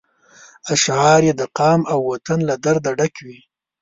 اشعار یې د قام او وطن له درده ډک وي.